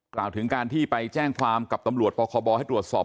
กล่าวถึงการที่ไปแจ้งความกับตำรวจปคบให้ตรวจสอบ